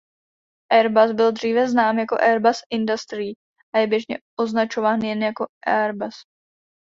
Airbus byl dříve znám jako "Airbus Industrie" a je běžně označován jen jako "Airbus".